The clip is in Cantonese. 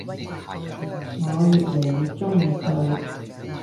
我愈來愈鍾意佢